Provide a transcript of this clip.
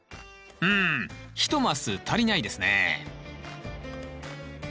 うん１マス足りないですね。